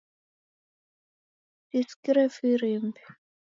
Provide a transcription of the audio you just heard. Sisikire firimbi